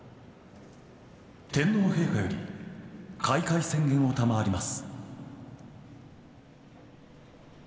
天皇陛下より開会宣言を賜ります。